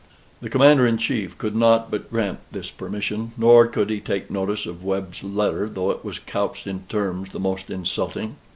The Commander in Chief could not but grant this permission, nor could he take notice of Webb's letter, though it was couched in terms the most insulting.